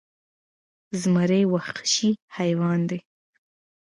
زمری وخشي حیوان دې